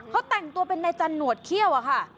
เขาแต่งตัวเป็นนายจันหนวดเขี้ยวอะค่ะ